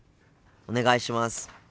お願いします！ＯＫ。